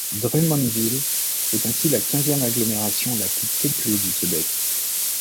Drummondville est ainsi la quinzième agglomération la plus peuplée du Québec.